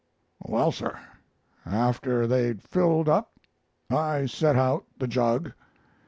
Well, sir, after they'd filled up I set out the jug.